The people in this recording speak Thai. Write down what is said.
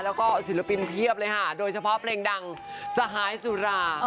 แล้วก็ศิลปินเพียบเลยค่ะโดยเฉพาะเพลงดังสหายสุรา